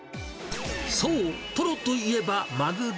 そう、トロといえばマグロ。